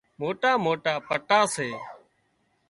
موٽا موٽا پٽا سي